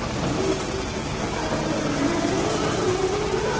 跡取りになる男の子のお孫さん